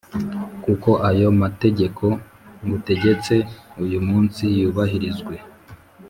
kuko ayo mategeko ngutegetse uyu munsi yubahirizwe